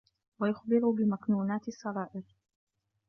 وَيُخْبِرُ بِمَكْنُونَاتِ السَّرَائِرِ